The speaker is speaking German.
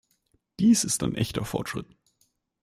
Dies ist ein echter Fortschritt.